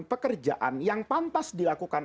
pekerjaan yang pantas dilakukan